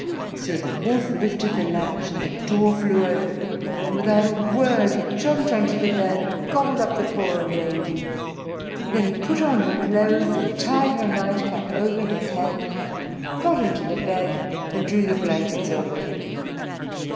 So the Wolf lifted the latch, and the door flew open; and without a word he jumped on to the bed and gobbled up the poor old lady. Then he put on her clothes, and tied her night cap over his head; got into the bed, and drew the blankets over him.